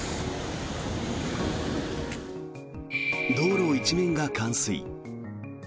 道路一面が冠水。